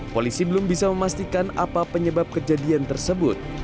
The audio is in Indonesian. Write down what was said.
polisi belum bisa memastikan apa penyebab kejadian tersebut